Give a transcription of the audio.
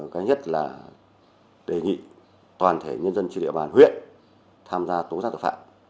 cái nhất là đề nghị toàn thể nhân dân trên địa bàn huyện tham gia tố giác tội phạm